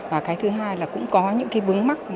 và thứ hai là cũng có những vướng mắt